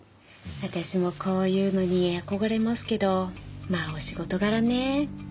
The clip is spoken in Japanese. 私もこういうのに憧れますけどまあお仕事柄ね。